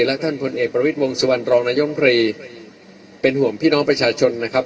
และท่านพลเอกประวิทย์วงสุวรรณรองนายมรีเป็นห่วงพี่น้องประชาชนนะครับ